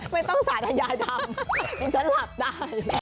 ไม่ต้องสาธยายทำดิฉันหลับได้